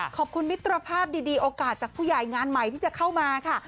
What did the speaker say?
ขอบคุณมิตรภาพดีโอกาสจากผู้ใหญ่งานใหม่ที่จะเข้ามาค่ะ